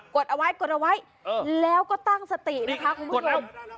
ดเอาไว้กดเอาไว้แล้วก็ตั้งสตินะคะคุณผู้ชม